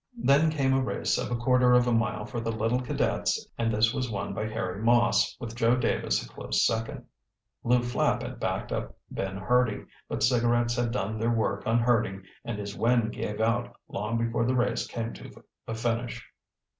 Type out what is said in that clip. Then came a race of a quarter of a mile for the little cadets and this was won by Harry Moss, with Joe Davis a close second. Lew Flapp had backed up Ben Hurdy, but cigarettes had done their work on Hurdy and his wind gave out long before the race came to a finish.